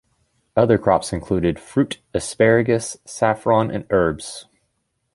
Other crops include fruit, asparagus, saffron and herbs.